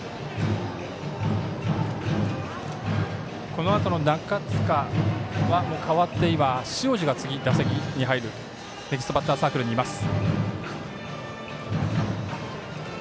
このあとの中塚は代わって塩路がネクストバッターズサークルにいます。